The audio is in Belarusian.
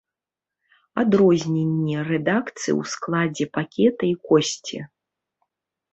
Адрозненні рэдакцый ў складзе пакета і кошце.